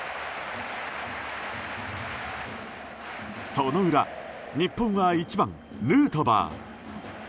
その裏、日本は１番、ヌートバー。